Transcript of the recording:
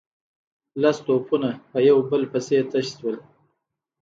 لس توپونه په يو بل پسې تش شول.